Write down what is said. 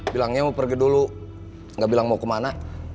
bilangnya mau pergi dulu nggak bilang mau kemana